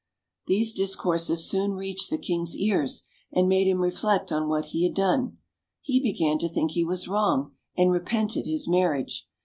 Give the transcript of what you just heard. These discourses soon reached the king's ears, and made him reflect on what he had done; he began to think he was wrong, and repented his marriage.